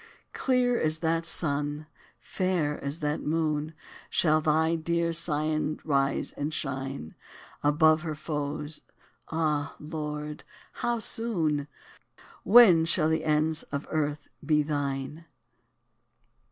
Clear as that sun, fair as that moon, Shall thy dear Zion rise and shine Above her foes Ah! Lord, how soon? When shall the ends of earth be thine?